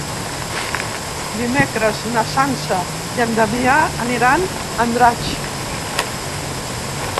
Dimecres na Sança i en Damià aniran a Andratx.